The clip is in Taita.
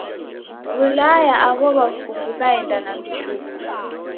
W'ulaya agho mafungu ghaenda na vichuku.